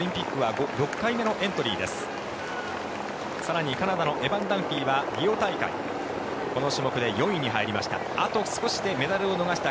更にカナダのエバン・ダンフィーはリオ大会、この種目で４位に入りました。